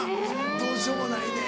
どうしようもないねや。